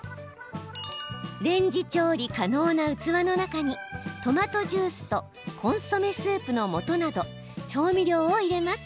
レンジ調理可能な器の中にトマトジュースとコンソメスープのもとなど調味料を入れます。